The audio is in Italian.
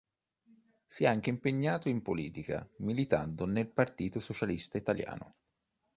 Si è anche impegnato in politica, militando nel Partito Socialista Italiano.